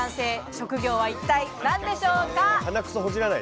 職業は一体何でしょうか？